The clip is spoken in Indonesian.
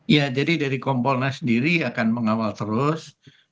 ya jadi dari kompolnas sendiri akan mengawal terus